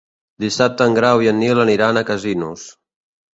Dissabte en Grau i en Nil aniran a Casinos.